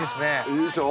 いいでしょ？